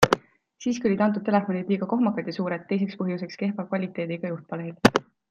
Siiski olid antud telefonid liiga kohmakad ja suured, teiseks põhjuseks kehva kvaliteediga juhtpaneel.